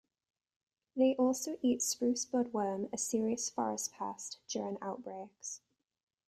They also eat spruce budworm, a serious forest pest, during outbreaks.